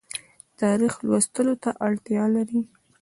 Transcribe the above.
تاریخ لوستلو ته اړتیا لري